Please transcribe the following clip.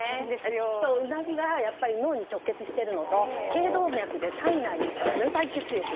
うなじはやっぱり脳に直結してるので頸動脈で、体内に冷たい血液を。